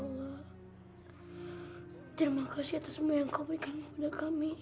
hai terima kasih atas semua yang kau berikan kepada kami